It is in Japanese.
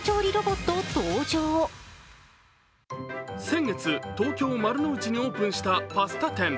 先月、東京・丸の内にオープンしたパスタ店。